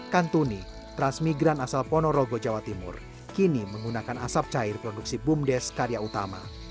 kantuni transmigran asal ponorogo jawa timur kini menggunakan asap cair produksi bumdes karya utama